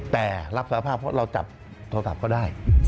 แต่รับสารภาพเพราะเราจับโทรศัพท์ก็ได้